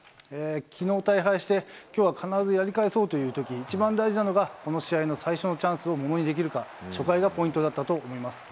きのう大敗して、きょうは必ずやり返そうというとき、一番大事なのが、この試合の最初のチャンスをものにできるか、初回がポイントだったと思います。